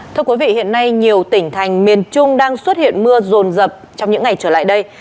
thưa quý vị hiện nay nhiều tỉnh thành miền trung đang xuất hiện mưa rồn rập trong những ngày trở lại đây